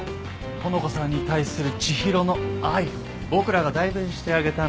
穂香さんに対する知博の愛を僕らが代弁してあげたのさ。